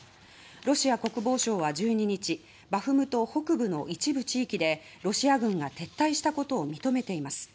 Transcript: ロシア国防省は１２日バフムト北部の一部地域でロシア軍が撤退したことを認めています。